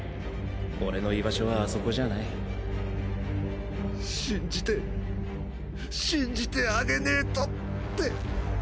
俺の居場所はあそこじゃない信じて信じてあげねえとって。